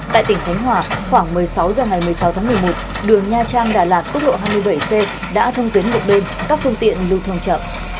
tại tỉnh khánh hòa khoảng một mươi sáu h ngày một mươi sáu tháng một mươi một đường nha trang đà lạt túc lộ hai mươi bảy c đã thông tuyến một bên các phương tiện lưu thông chậm